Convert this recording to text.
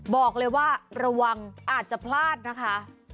บอกเลยว่าระวังอาจจะพลาดนะคะ